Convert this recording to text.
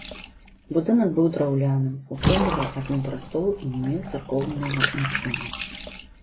Будынак быў драўляным, утрымліваў адзін прастол і не меў царкоўнага начыння.